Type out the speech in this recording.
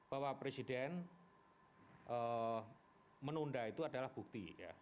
bahwa presiden menunda itu adalah bukti ya